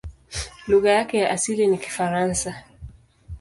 Lugha yake ya asili ni Kifaransa.